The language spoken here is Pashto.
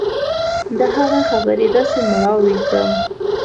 د هغه خبرې داسې مړاوى کړم.